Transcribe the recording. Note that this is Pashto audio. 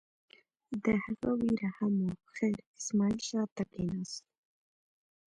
د هغه وېره هم وه، خیر اسماعیل شا ته کېناست.